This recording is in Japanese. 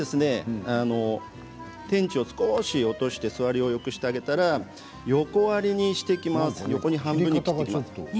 天地を少し落として座りをよくしてあげたら横割りにしていきます。